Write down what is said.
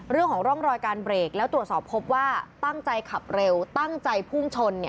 เรื่องของร่องรอยการเบรกแล้วตรวจสอบพบว่าตั้งใจขับเร็วตั้งใจพุ่งชน